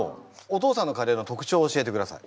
お父さんのカレーの特徴を教えてください。